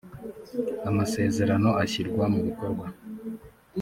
amasezerano ashyirwa mu bikorwa